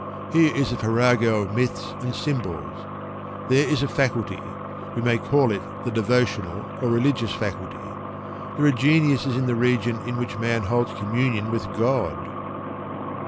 Here is a farrago of myths and symbols. "There is a faculty we may call it the devotional or religious faculty there are geniuses in the region in which man holds communion with God"!